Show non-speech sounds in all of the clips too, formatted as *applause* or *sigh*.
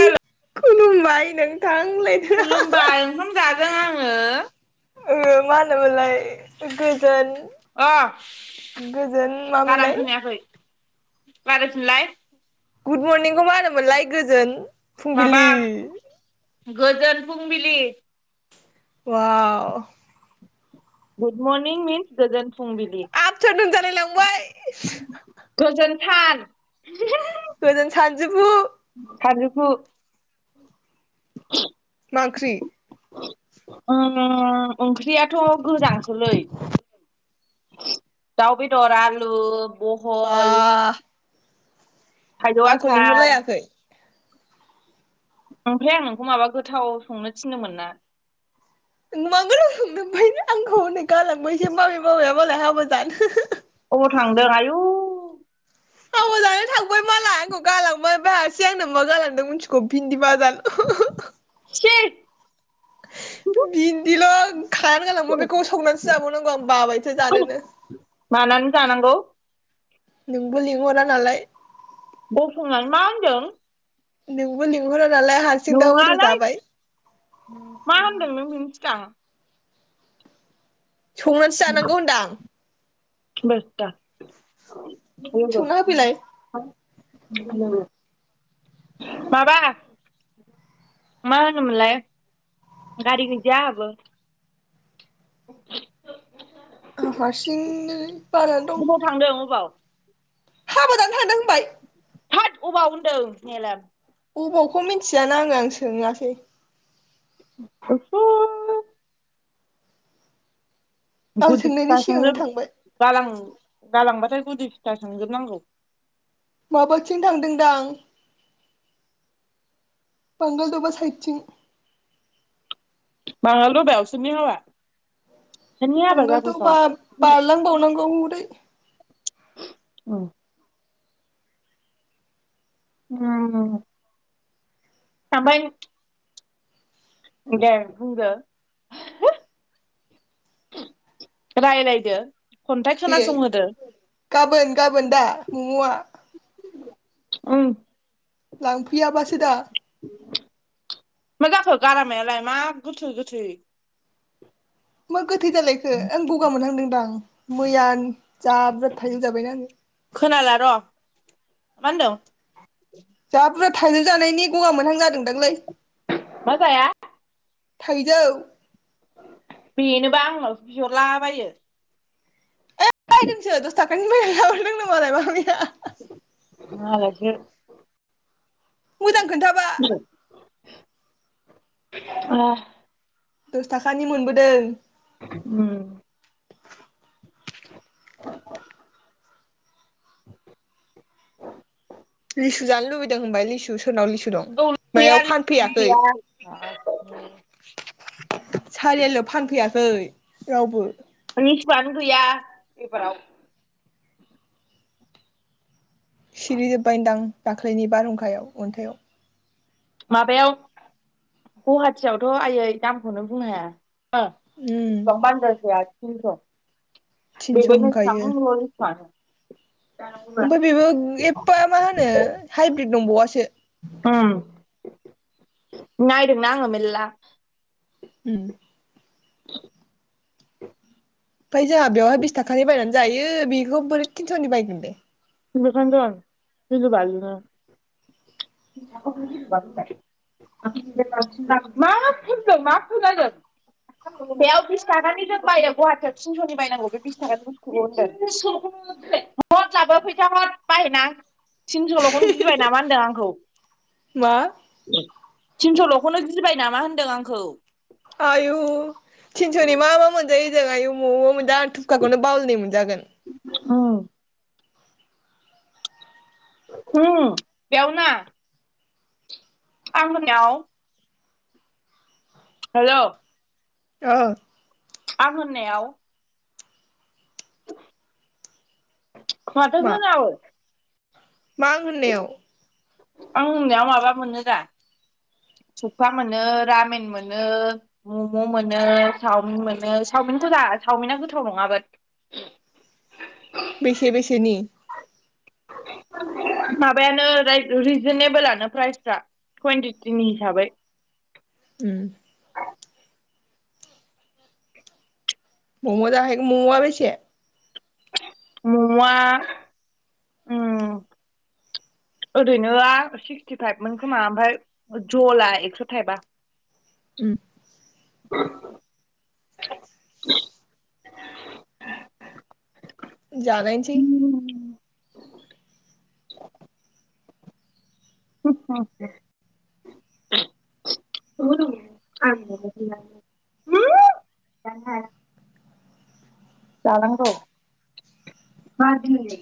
हेल' खुलुमबाय नोंथां होनलायदो खुलुमबाय ओंखाम जादों आङो ओ मा होनोमोनलाय गोजोन अ गोजोन बारा मामोनलाय खोनायाखै । लारायफिनलाय गुड मरनिंखौ मा होनोमोनलाय? गोजोन माबा फुंबिलि गोजोन फुंबिलि बा गुड मर्निं मिस गोजोन फुंबिलि आ थोन होनजालाय लांबाय थान गोजोन सानजुफु सानजुफु औ मा ओंख्रि? ओ ओंख्रियाथ' गोजांसोलै दाउ बेदर, आलु बा बहल थायजौ आंखौ आसार लिंहरलायाखै ओमफ्राय आं नोंखौ माबा गोथाव संनो थिनोमोन ना *unintelligible* ओमफायनो आंखौ हनै गालांबायसो मामि बाबाया आंखौ हाबा जानो अबाव थांदों आयु हाबा जानो थां बै मालाय आंखौ गालांबाय बायासै आंनो मा गालांदों मिथिखौ भिन्दि बाजा सि बिदिल' खायानो गालांबाय बेखौ संनानैसो जाबावनांगौ आं बाबायसो जानोनो मानानै जानांगौ नोंबो लिंहरा नालाय बुफुंलायनो मा होनदों नोंबो लिंहर नङालै मा होनदों नों बिनि सिगां संनानैसो जानांगौ होनदां बेस्रा संना होफैलाय *unintelligible* माबा मा होनोमोनलाय गारि गैजाया आहाबो आं हारसिं नो अबाव थांदों अबाव हाबा जानो थांदों होनबाय थोद अबाव होनदों मेलार बबावखौ मिथियाना आङो आं सोङासै इसर आं गुदि सोंनायनि सिगांनो *unintelligible* थांबाय गालां गालांबाथाय गुदि फिथा सोंजोबनांगौ माबाथिं थांदों दां बांगाल दबा साइटथिं बाङाल दबायाव सोरनि हाबा? आंगोलथ' दबा जाबोथाव बारलां बावनांगौ बै औ उम उम दाबाय दे बुंदो रायलायदो खन्थाइ दे खोनासंहोदो गाबोन गाबोन दा ममआ *unintelligible* उम लांफैया बासो दा मा जाखो गारामायालाय मा गोथै गोथै मा गोथै जालायखो आं गगा मोनहांदों *unintelligible* मैयानो जा बुरजा थाइजौ जाबायना आङो खोनाला र' मा होनदों जा बुरजा थाइजौ जानायनि गगा मोनहां जादोंदांलै मा जाया थायजौ बेनोबा आंनावसो बिहरलाबायो बायदोंसो दस थाखानि बायना लाबोदोंनो मामि जा मोजां खोन्थाबा अ दस थाखानि मोनबोदों उम *inaudible* लिसु जानो लुबैदों होनबाय लिसु सु औ लै गैया लिसुआनो गैया *unintelligible* सारियालिआव फानफैया खै रावबो लिसुआनो गैया इबाराव सिरिजोबबाय नोदां दाख्लैनि बारहुंखायाव अन्थाइआव माबायाव गुहाटियावथ' आयै दामखौनो बुंनो हाया *unintelligible* उम एसेबां *unintelligible* सेया थिनस' बेबोनो सां रल सानो ओमफाय बेबो एफा मा होनो हाइब्रिद नंबावासो उम नायदोंना आङो मेलला उम *inaudible* ओमफाय जोंहा बेवहाय बिस थाखानि बायनानै जायो बेखौ बोरै तिनस'नि बायगोन दे बेखायनोथ गिलु बालु नो माखौथो गिलु बालु होननाय *unintelligible* मानो फोनदों मा खोनादों बेयाव बिस थाखानि जों बायो गहाटियाव थिनस'नि बायनांगौ बे बिस थाखानि बुसथुखौ होनदों *unintelligible* फैसा हथ बायहैनो आं थिनस'लखौनो गिबाय नामा होनदों आंखौ मा थिनस'ल'खौनो गिबाय नामा होन्दों आंखौ आयु थिनस'नि मा मा मोनजायो जों आय मोवबा मोनदों थुखाखौनो बावलायनाय मोनजागोन उम उम बेयाव ना आं मोनाव हेल ओ आं होननायाव खोमाथो मा होनाव मा आं होननायाव आं होननायाव माबा मोनो दा सुफा मोनो रामिन मोनो मम मोनो चावमिन मोनो चावमिनखौ जा सावमिना गोथाव नङाबो बेसे बेसेनि माबायानो राय रिजनेेबोलानो प्राइसफ्रा कुवानटिटिनि हिसाबै उम मम जाहैगोन ममआ बेसे ममया उम ओरैनो आ सिक्सटि फाइभमोन खोमा ओमफ्राय जला एक्स थाइबा उम *unintelligible* जानायसै उम *inaudible* *unintelligible* जानांगौ मा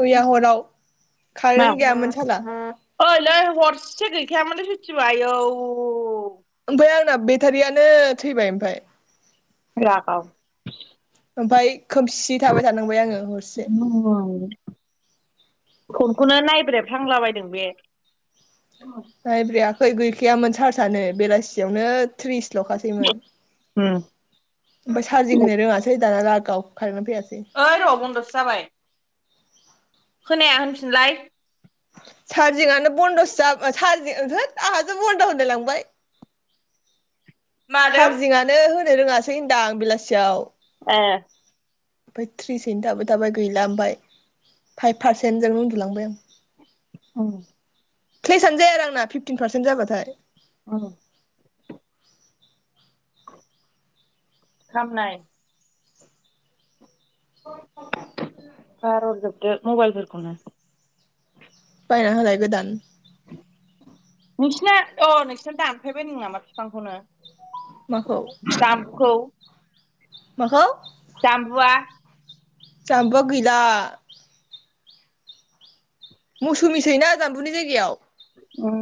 मैया हराव खारें गैयामोन साला ओइलै हरसे गैखायामोनलाय सयथिबो आयौ जोंना बेटारियानो थैबाय ओमफ्राय लागाव ओमफाय खोमसि थाबाय थानांबाय आङो हरसे फनखौनो नायब्रे फालांबायदो बे नायब्रेयाखै गैखायामोन सारसआनो बेलासियावनो थ्रिस लखासैमोन उम ओमफ्राय चार्जिं होनो रोङासै दाना ला गा *unintelligible* खाय ना बेै ओइ र बनदसो जाबाय खोनाया होनफिनलाय चार्जिंयानो बन्दसो जा सारजिं थोथ आंहासो बन्द होनलाय लांबाय मादों चार्जिंयानो होनो रोङा है होनदां बेलासियाव ए ओमफ्राय थ्रिसैनो थाबाय थाबाय गैला ओमफाय फाइभ पारसेन्टजोंनो उन्दुलांबाय आं औ क्लेसानो जाया आरो आंना फिफ्टिन पार्सेन्ट जाबाथाय औ खामनाय *inaudible* गारहरजोबदो मबाइल फोरखौनो बायना होलाय गोदान नोंसिना अ नोंसिना दानफैबायनो नामा बिफांखौनो माखौ जाम्बुखौ माखौ जाम्बुवा जाम्बुआ गैला मौसुमिसैना जामबुनि जायगायाव ओम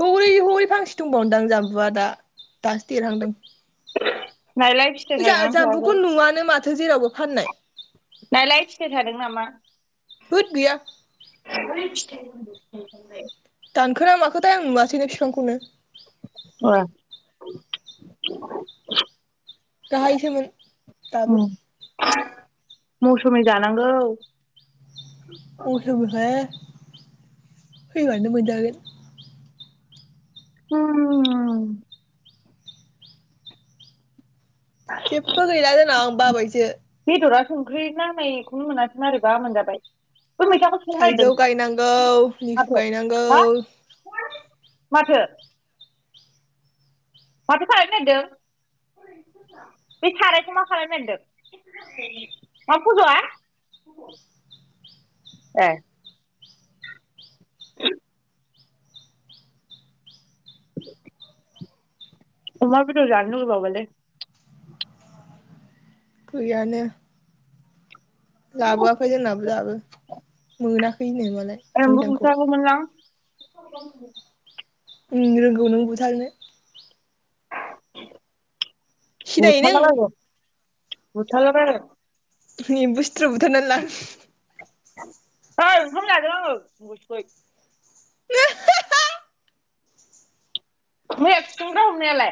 हौरै हरै फांसे दंबावओनदां जाम्बुआ दा दासो देरहांदों नायलाय फिथाइ जा थायगोना थायाखै जाम्बुखौ नुवानो माथो थो जेरावबो फाननाय नायलाय फिथाय थादों नामा होद गैया *unintelligible* दानखोना माखोथाय आं नुवासैनो बिफांखौनो औ गाहायसोमोन दाबो उम मौसुमि जानांगौ *unintelligible* फैबानो मोनजागोन *unintelligible* जेबो गैला जोंनाव आं बाबायसो बेदरा संख्रि नांनायखौनो मोनासै मारैबा मोनजाबाय बै मैथाखौ संनो थाइजौ नागिरदों गायनांगौ लिसु माथो गायनांगौ हा माथो माथो खालायनो नागिरदों बे सारायखौ मा खालायनो नागिरदों मा फज'आ ए अमा बेदर जानो लुगैबावबायलै गैयानो लाबोआखै जोंनाबो दाबो मोना *unintelligible* एम्बु बुथारगौमोनलां *unintelligible* ओम रोंगौ नों बुथारनो *inaudible* सिनायो नों बुथारला बायगोन बुथारला बायगोन एमबु सि थ्रु बुथारनालां ओइ ओंखाम जादों आङो मुगै सुगै *unintelligible* ओमफाय खुसेंग्रा हमनायालाय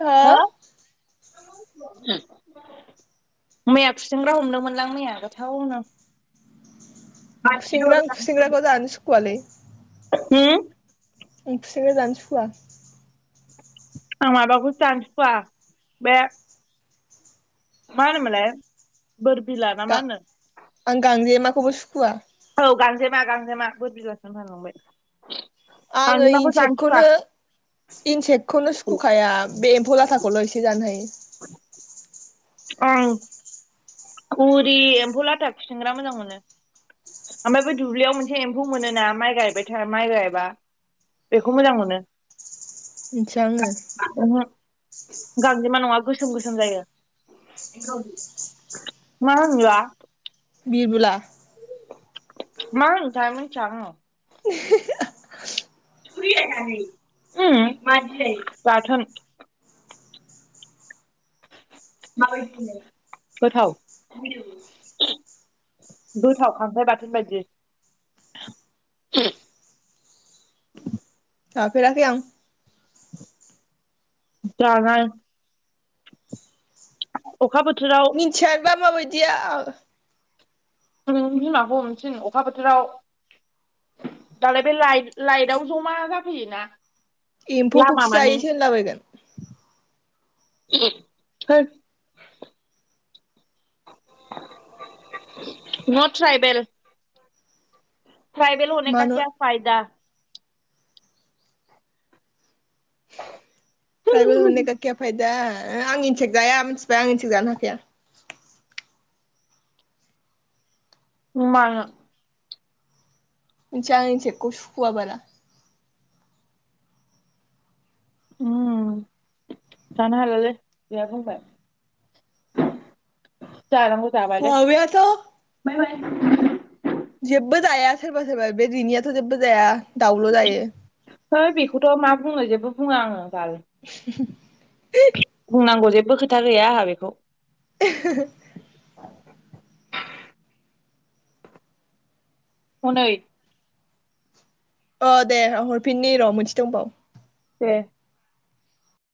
हो *unintelligible* मैया खुसेंग्रा हमदोंमोनलां मैया गोथावनो खुसेंग्रा आं खुसेंग्राखौ जानो सुखुवालै हम आं खुसिंग्रा जानो सुखुवा आं माबाखौसो जानो सुखुवा बे मा होनोमोनलाय बोरबिला ना मा होनो खौबो सुखुवा औ गांजेमा गांजेमा बुर बिलासो होफ्लांलायलांबाय आङो इनसेक्टखौनो इनसेक्टखौनो सुखुखाया बे एम्फौ लाथा जा खल' एसे जानो हायो *unintelligible* औ उरि एम्फौ लाथा खुसेंग्रा मोजां मोनो ओमफ्राय बे दुब्लियाव मोनसे एम्फौ मोनो ना माइ गायबाय था माइ गायबा बेखौ मोजां मोनो मिनथिया आङो ओहो गांजेमा नङा गोसोम गोसोम जायो मा होनोबा बिरबुला मा होनोथाइ मोनथिया आङो *unintelligible* उ मादि जायो बाथोन माबादि बिलाय गोथाव गोथाव खांख्राइ बाथोन बायदि *unintelligible* जाफेराखै आं जानाय अखा बोथोराव मिनथियाबा माबाय दिया नोंनि बिमाखौ हमनो थिन अखा बोथोराव दालाय बे लाइ-लाइटआव जमा जाफैयोना एम्फौखौ लामा खि मानि जायो सो होनलाबायगोन *unintelligible* नट ट्रायबेल ट्रायबेल हने का मानो किया फायदा ट्रायबेल हने का किया फायदा दा आं इन्सेक जाया मिथिबाय आं इन्सेक जानो हाखाया मानो मोनथिया आं इनहेक्टखौ सुखुवा बारा उम जानो हालालै उदैया बुंबाय माबायाथ' *unintelligible* *unintelligible* जेबो जाया सोरबा सोरबा बे दिनिआथ जेबो जाया दाउल' जायो है बेखौथ' मा बुंनो जेबो बुंङा आङो बाल *unintelligible* बुंनांगौ जेबो खोथा गैया आंहा बेखौ *unintelligible* हनै अ दे हरफिननि र' मोनसे दंबावो ए